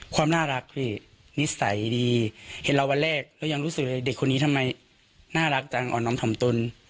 ความน่ารักพี่นิสัยดีเห็นเราวันแรกก็ยังรู้สึกเด็กคนนี้ทำไมน่ารักจังอ่อนน้อมถ่อมตน